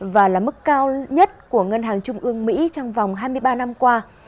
và là mức cao nhất của ngân hàng trung ương mỹ trong vòng hai mươi ba năm qua